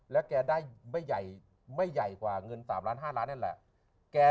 แล้วแกได้ไม่ใหญ่กว่าเงิน๓ล้าน๕ล้านนั่นแหละ